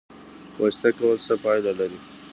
واسطه کول څه پایله لري؟